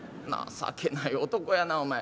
「情けない男やなお前。